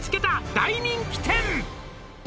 「大人気店」